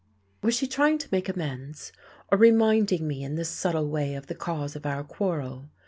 Was she trying to make amends, or reminding me in this subtle way of the cause of our quarrel?